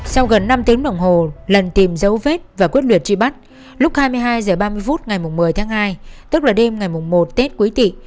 sau gần năm tiếng đồng hồ lần tìm dấu vết và quyết liệt truy bắt lúc hai mươi hai h ba mươi phút ngày một mươi tháng hai tức là đêm ngày một tết quý tị